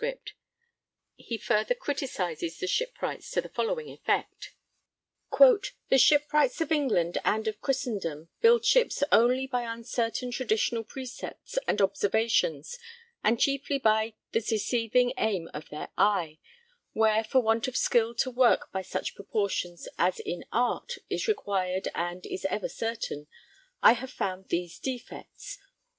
he further criticises the shipwrights to the following effect: The Shipwrights of England and of Christendom build ships only by uncertain traditional precepts and observations and chiefly by the deceiving aim of their eye, where for want of skill to work by such proportions as in Art is required and is ever certain, I have found these defects.